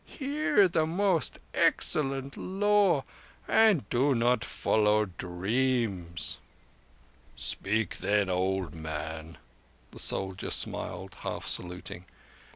Hear the Most Excellent Law, and do not follow dreams." "Speak, then, old man," the soldier smiled, half saluting.